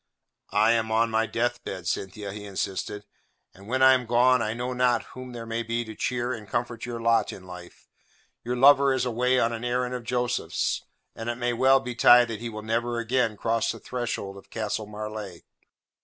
"I am on my death bed, Cynthia," he insisted, "and when I am gone I know not whom there may be to cheer and comfort your lot in life. Your lover is away on an errand of Joseph's, and it may well betide that he will never again cross the threshold of Castle Marleigh.